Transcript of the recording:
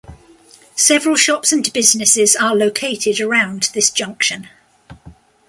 Several shops and businesses are located around this junction.